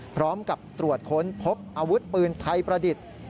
พร้อมกับตรวจค้นพบอาวุธปืนไทยประดิษฐ์